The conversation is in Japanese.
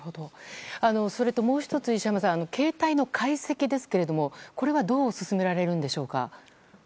それともう１つ、石浜さん携帯の解析ですけれどもこれはどう進められるんでしょうか。